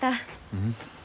うん？